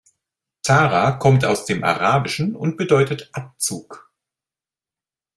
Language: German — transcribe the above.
Tara kommt aus dem Arabischen und bedeutet Abzug.